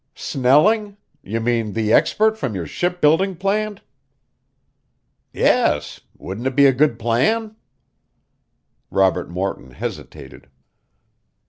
"Snelling? You mean the expert from your ship building plant?" "Yes. Wouldn't it be a good plan?" Robert Morton hesitated.